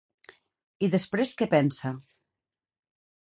I després què pensa?